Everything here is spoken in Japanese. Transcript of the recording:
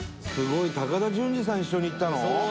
すごい！高田純次さん一緒に行ったの？